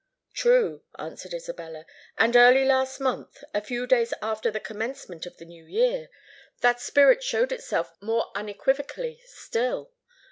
"True," answered Isabella; "and early last month—a few days after the commencement of the new year—that spirit showed itself more unequivocally still.